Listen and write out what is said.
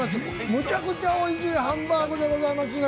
めちゃくちゃおいしいハンバーグでございますね。